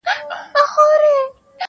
• مُلایانو به زکات ولي خوړلای -